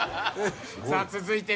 さあ続いて。